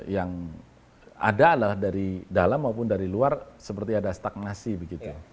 yang adalah dari dalam maupun dari luar seperti ada stagnasi begitu